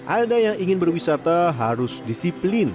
ada yang ingin berwisata harus disiplin